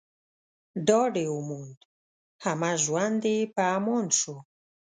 ډاډ يې وموند، همه ژوند يې په امان شو